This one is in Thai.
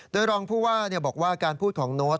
โดยรองผู้ว่าบอกว่าการพูดของโน้ต